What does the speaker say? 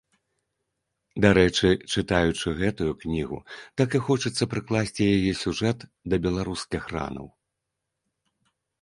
Дарэчы, чытаючы гэтую кнігу, так і хочацца прыкласці яе сюжэт да беларускіх ранаў.